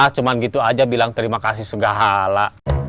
cuma gitu aja bilang terima kasih segala